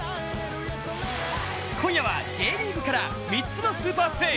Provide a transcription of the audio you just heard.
今夜はＪリーグから３つのスーパープレー。